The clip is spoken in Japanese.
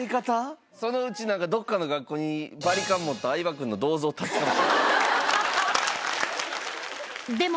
そのうちなんか、どっかの学校にバリカン持った相葉君の銅像建つかも。